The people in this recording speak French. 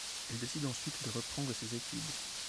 Elle décide ensuite de reprendre ses études.